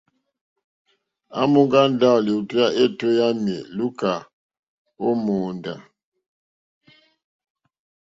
À mòŋgá ndáwò lìwòtéyá éètó yǎmì lùúkà ó mòóndá.